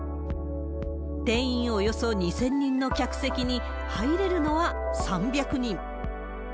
定員およそ２０００人の客席に、入れるのは３００人。